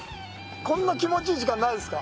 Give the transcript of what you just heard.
こんな気持ちいい時間、ないですか。